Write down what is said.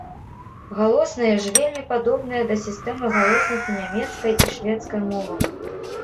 Галосныя ж вельмі падобныя да сістэмы галосных у нямецкай і шведскай мовах.